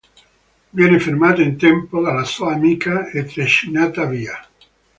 Viene fermata in tempo dalla sua amica e trascinata via.